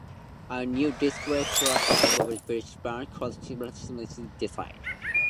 A new distinct class of objects called dwarf planets was also decided.